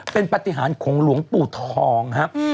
เป็นปฏิหารของหลวงปู่ทองครับ